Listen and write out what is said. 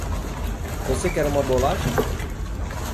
Você quer uma bolacha?